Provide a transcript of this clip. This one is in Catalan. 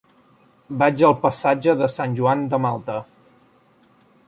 Vaig al passatge de Sant Joan de Malta.